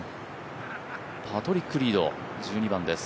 パトリック・リード、１２番です。